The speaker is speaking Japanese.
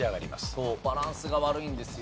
そうバランスが悪いんですよ。